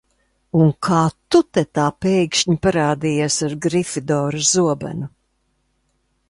Un kā tu te tā pēkšņi parādījies ar Grifidora zobenu?